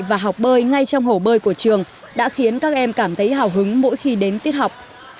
và học bơi ngay trong hồ bơi của trường đã khiến các em cảm thấy hào hứng mỗi khi đến tiết học